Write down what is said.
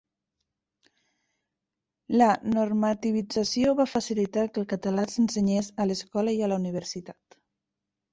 La normativització va facilitar que el català s'ensenyés a l'escola i a la universitat.